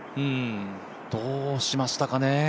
どうしましたかね。